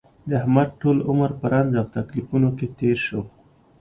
د احمد ټول عمر په رنځ او تکلیفونو کې تېر شو.